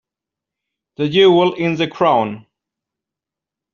The jewel in the crown.